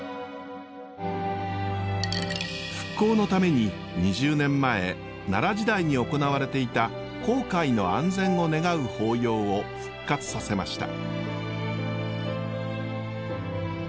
復興のために２０年前奈良時代に行われていた航海の安全を願う法要を復活させました。